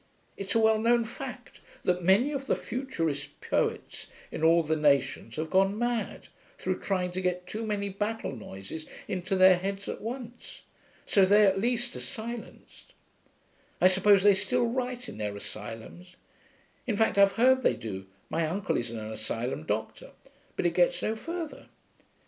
It's a well known fact that many of the futurist poets, in all the nations, have gone mad, through trying to get too many battle noises into their heads at once. So they, at least, are silenced. I suppose they still write, in their asylums in fact I've heard they do (my uncle is an asylum doctor) but it gets no further....'